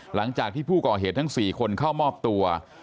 หลังจากที่ผู้ก่อเหตุทั้ง๔คนเข้ามอบตัว